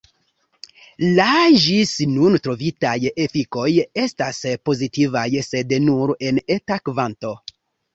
La ĝis nun trovitaj efikoj estas pozitivaj, sed nur en eta kvanto.